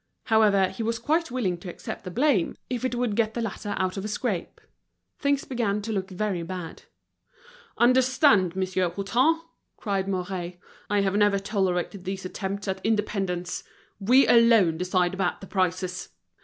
However, he was quite willing to accept the blame, if it would get the latter out of a scrape. Things began to look very bad. "Understand, Monsieur Hutin!" cried Mouret, "I have never tolerated these attempts at independence. We alone decide about the prices."